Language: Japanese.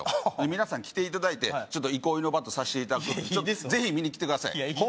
皆さん来ていただいてちょっと憩いの場とさせていただくぜひ見に来てくださいいやいいです